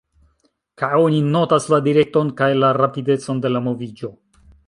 Kaj oni notas la direkton kaj la rapidecon de la moviĝo.